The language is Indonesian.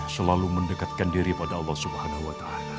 selalu mendekatkan diri pada allah swt